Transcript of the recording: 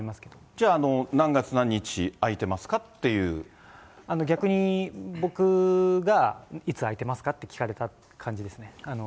じゃあ、逆に、僕が、いつ空いてますかって聞かれた感じですね。